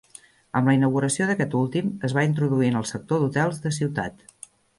Amb la inauguració d'aquest últim, es va introduir en el sector d'hotels de ciutat.